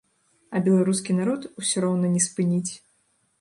А беларускі народ усё роўна не спыніць.